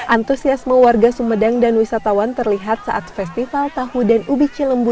antusiasme warga sumedang dan wisatawan terlihat saat festival tahu dan ubi cilembu